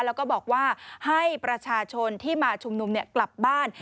แล้วก็บอกว่าให้ประชาชนที่มาชุมนุมกลับบ้าน